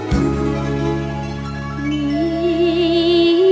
ช่างแย่